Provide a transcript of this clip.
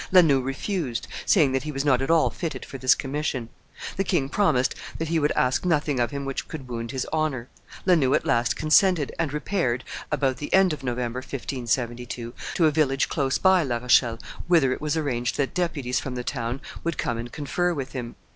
La Noue refused, saying that he was not at all fitted for this commission. The king promised that he would ask nothing of him which could wound his honor. La Noue at last consented, and repaired, about the end of November, 1572, to a village close by La Rochelle, whither it was arranged that deputies from the town would come and confer with him.